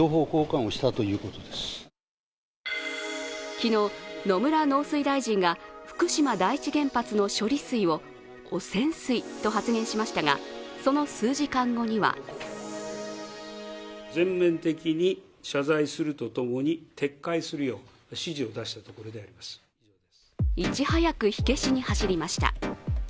昨日、野村農水大臣が福島第一原発の処理水を汚染水と発言しましたが、その数時間後にはいち早く火消しに走りました。